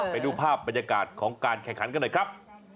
ไปดูภาพบรรยากาศของการแข่งขันกันหน่อยครับ